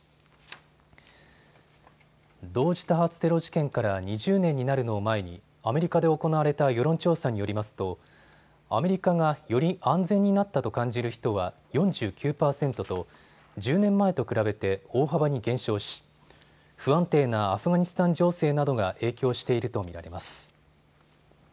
同時多発テロ事件から２０年になるのを前にアメリカで行われた世論調査によりますと、アメリカが、より安全になったと感じる人は４９％と１０年前と比べて大幅に減少し、不安定なアフガニスタン情勢などが影響していると見られます。